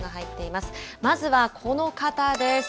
まずはこの方です。